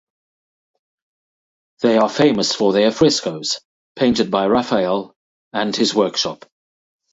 They are famous for their frescoes, painted by Raphael and his workshop.